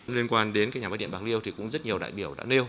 liên quan đến cái nhà máy điện bạc liêu thì cũng rất nhiều đại biểu đã nêu